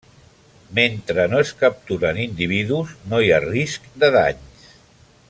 Mentre no es capturen individus, no hi ha risc de danys.